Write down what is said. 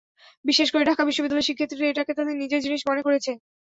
বিশেষ করে ঢাকা বিশ্ববিদ্যালয়ের শিক্ষার্থীরা এটাকে তাঁদের নিজের জিনিস মনে করেছে।